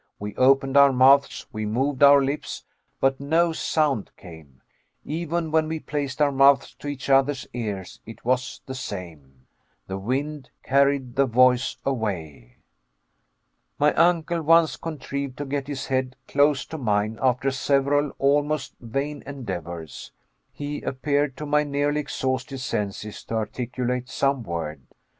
We opened our mouths, we moved our lips, but no sound came. Even when we placed our mouths to each other's ears it was the same. The wind carried the voice away. My uncle once contrived to get his head close to mine after several almost vain endeavors. He appeared to my nearly exhausted senses to articulate some word.